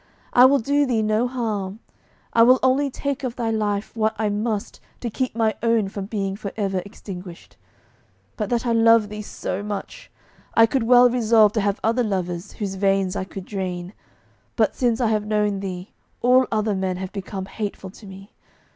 I will do thee no harm; I will only take of thy life what I must to keep my own from being for ever extinguished. But that I love thee so much, I could well resolve to have other lovers whose veins I could drain; but since I have known thee all other men have become hateful to me....